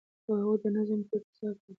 او هغوى ددوى انتظام كوي